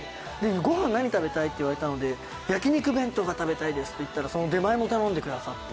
御飯何食べたい？って言われたので焼き肉弁当が食べたいですって言ったら出前も頼んでくださって。